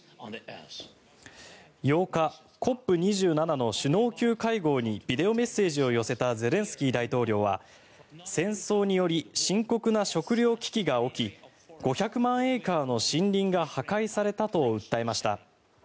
８日、ＣＯＰ２７の首脳級会合にビデオメッセージを寄せたゼレンスキー大統領は戦争により深刻な食糧危機が起き５００万エーカーの森林が破壊されたと訴えました。